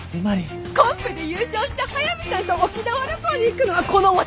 コンペで優勝して速見さんと沖縄旅行に行くのはこの私！